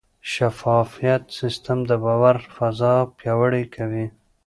شفاف سیستم د باور فضا پیاوړې کوي.